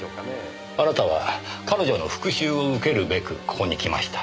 あなたは彼女の復讐を受けるべくここに来ました。